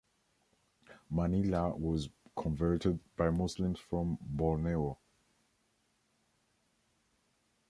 Manila was converted by Muslims from Borneo.